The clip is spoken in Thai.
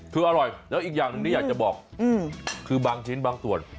คืออร่อยแล้วอีกอย่างหนึ่งที่อยากจะบอกคือบางชิ้นบางส่วน